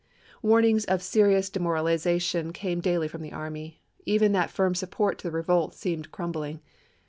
Warnings of serious de moralization came daily from the army ; even that firm support to the revolt seemed crumbling.